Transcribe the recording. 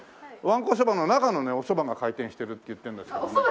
わんこそばの中のねおそばが回転してるって言ってるんですけどね。